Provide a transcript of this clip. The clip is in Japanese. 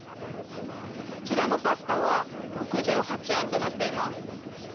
こちらのパスタは、６８円となっています。